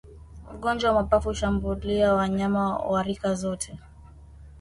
Ugonjwa wa mapafu hushambulia wanyama wa rika zote